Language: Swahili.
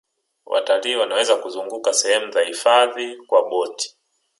watalii Wanaweza kuzunguka sehemu za hifadhi kwa boti